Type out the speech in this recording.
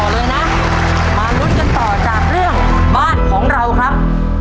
เลยนะมาลุ้นกันต่อจากเรื่องบ้านของเราครับ